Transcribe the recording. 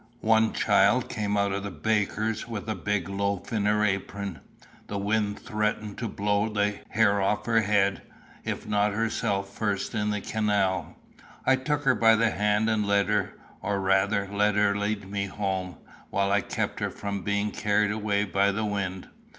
One child came out of the baker's with a big loaf in her apron. The wind threatened to blow the hair off her head, if not herself first into the canal. I took her by the hand and led her, or rather, let her lead me home, while I kept her from being carried away by the wind.